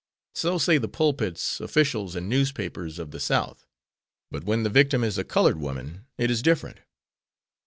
So say the pulpits, officials and newspapers of the South. But when the victim is a colored woman it is different.